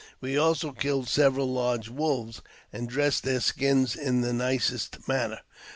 We also killed several large wolves, and dressed their skins in the nicest < manner.